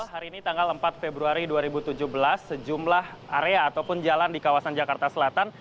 hari ini tanggal empat februari dua ribu tujuh belas sejumlah area ataupun jalan di kawasan jakarta selatan